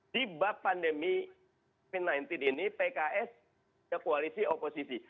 di bab pandemi covid sembilan belas ini pks koalisi oposisi